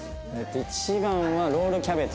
一番はロールキャベツ